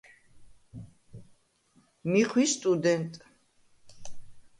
მი ხვი სტუდენტ.